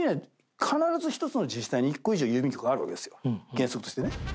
原則としてね。